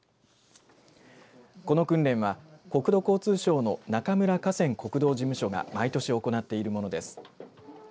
この訓練は国土交通省の中村河川国道事務所が毎年行っているものです。